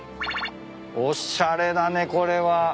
おしゃれだねこれは。